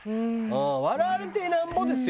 笑われてなんぼですよ。